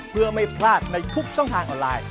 เพื่อไม่พลาดในทุกช่องทางออนไลน์